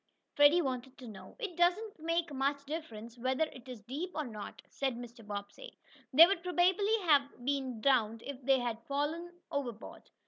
Freddie wanted to know. "It doesn't make much difference whether it is deep or not," said Mr. Bobbsey, "they would probably have been drowned if they had fallen overboard.